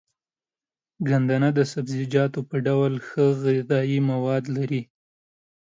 ګندنه د سبزيجاتو په ډول ښه غذايي مواد لري.